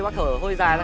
bác thở hơi dài ra